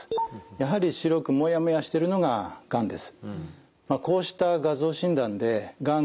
やはり白くもやもやしているのががんです。